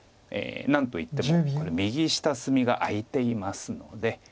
何といってもこれ右下隅が空いていますので。